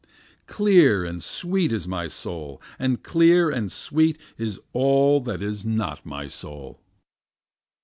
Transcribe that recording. Clear and sweet is my soul, and clear and sweet is all that is not my soul.